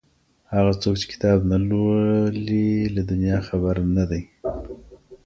هغه څوک چي کتاب نه لوړي له دنيا خبر نه دی.